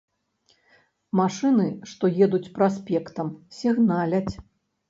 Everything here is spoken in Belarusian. Машыны, што едуць праспектам, сігналяць.